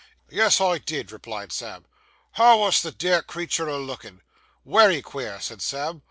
'Yes, I did,' replied Sam. 'How wos the dear creetur a lookin'?' 'Wery queer,' said Sam.